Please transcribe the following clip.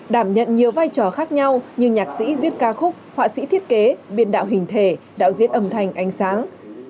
đảm nhận nhiều vai trò khác nhau như nhạc sĩ viết ca khúc họa sĩ thiết kế biên đạo hình thể đạo diễn âm thanh ánh sáng